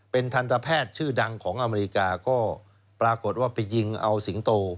เป็นทันตแพทย์ชื่อดังของอเมริกาก็ปรากฏว่าไปยิงเอาสิงโต